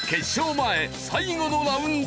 前最後のラウンド。